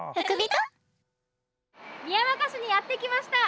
宮若市にやって来ました。